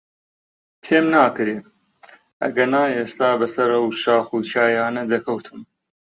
پێم ناکرێ، ئەگەنا ئێستا بەسەر ئەو شاخ و چیایانە دەکەوتم.